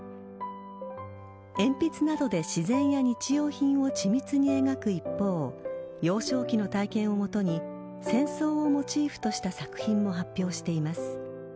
鉛筆などで自然や日用品を緻密に描く一方幼少期の体験をもとに戦争をモチーフとした作品も発表しています。